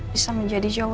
bisa menjadi jauh lagi